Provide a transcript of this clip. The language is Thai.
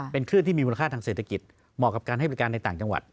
เป็นคลื่นที่มีมูลค่าทางเศรษฐกิจเหมาะกับการให้บริการในต่างจังหวัด